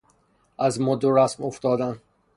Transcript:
از مد و رسم افتادن